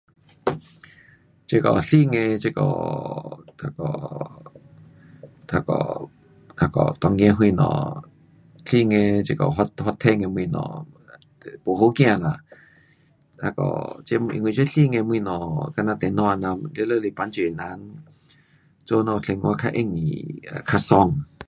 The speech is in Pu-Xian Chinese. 这个新的这个那个，那个，那个内的什么，新的这个发，发展的东西 ,um 没好怕啦。那个，这，因为这新的东西，像呐电脑这样，全部是帮助人，做我们生活较容易，也较爽。